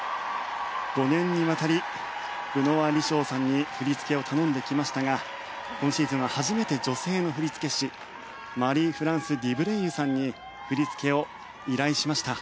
５年にわたりブノワ・リショーさんに振り付けを頼んできましたが今シーズンは初めて女性の振付師マリー・フランス・デュブレイユさんに振り付けを依頼しました。